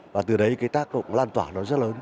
và từ đấy cái tác động lan tỏa nó rất lớn